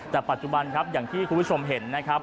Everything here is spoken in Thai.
แต่ปัจจุบันครับอย่างที่คุณผู้ชมเห็นนะครับ